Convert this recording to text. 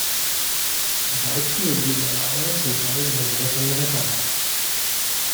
Die Weibchen legen ihre Eier zum Teil in der Nähe von Gewässern ab.